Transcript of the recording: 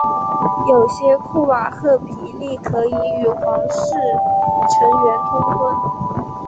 有些库瓦赫皮利可以与皇室成员通婚。